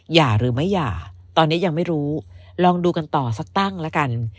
อย่าหรือไม่หย่าตอนนี้ยังไม่รู้ลองดูกันต่อสักตั้งแล้วกัน